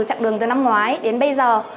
chặng đường từ năm ngoái đến bây giờ